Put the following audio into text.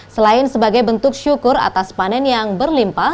selain sebagai bentuk syukur atas panen yang berlimpah